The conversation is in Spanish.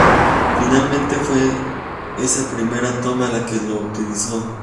Finalmente, fue esa primera toma la que se utilizó.